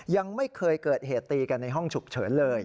ยังไม่เคยเกิดเหตุตีกันในห้องฉุกเฉินเลย